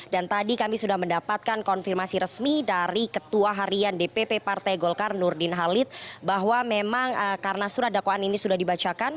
dan tadi kami sudah mendapatkan konfirmasi resmi dari ketua harian dpp partai golkar nurdin halid bahwa memang karena surat dakwaan ini sudah dibacakan